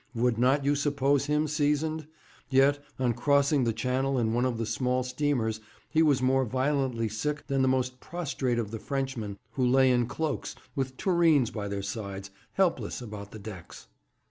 Would not you suppose him seasoned? Yet, on crossing the Channel in one of the small steamers, he was more violently sick than the most prostrate of the Frenchmen who lay in cloaks, with tureens by their sides, helpless about the decks.